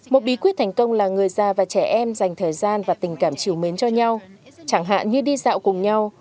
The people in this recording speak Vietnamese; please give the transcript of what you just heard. một bí quyết thành công là người già và trẻ em dành thời gian và tình cảm chiều mến cho nhau chẳng hạn như đi dạo cùng nhau